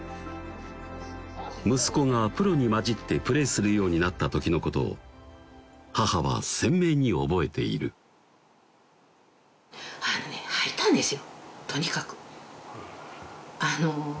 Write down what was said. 息子がプロに交じってプレーするようになった時のことを母は鮮明に覚えている吐いてましたね